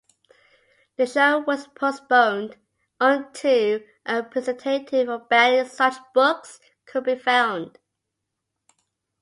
The show was postponed until a representative for banning such books could be found.